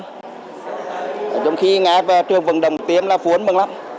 trong khi trường vận động tiêm là phụ huynh mừng lắm